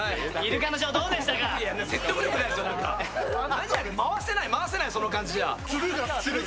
言われるがまま回せない、回せない、その感じじゃ。